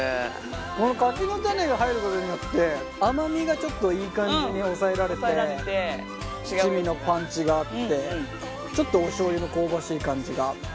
この柿の種が入ることによって甘みがちょっといい感じに抑えられて七味のパンチがあってちょっとおしょうゆの香ばしい感じが。